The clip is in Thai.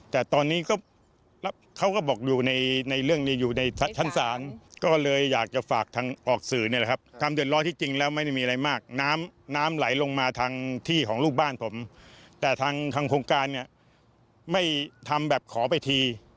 แต่ทางโครงการไม่ทำแบบขอไปที